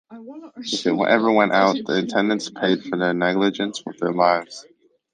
If it ever went out, the attendants paid for their negligence with their lives.